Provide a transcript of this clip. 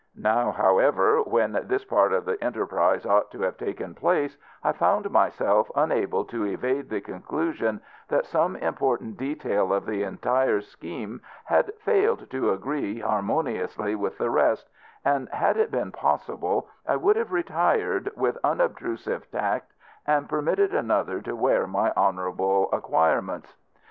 Now, however, when this part of the enterprise ought to have taken place, I found myself unable to evade the conclusion that some important detail of the entire scheme had failed to agree harmoniously with the rest, and, had it been possible, I would have retired with unobtrusive tact and permitted another to wear my honourable acquirements.